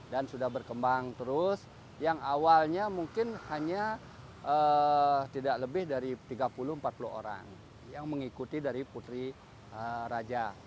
dan sudah berkembang terus yang awalnya mungkin hanya tidak lebih dari tiga puluh empat puluh orang yang mengikuti dari putri raja